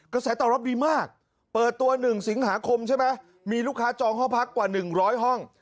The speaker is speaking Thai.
กระแสตอบรับดีมากเปิดตัว๑สิงหาคมใช่ไหมมีลูกค้าจองห้องพักกว่า๑๐๐ห้อง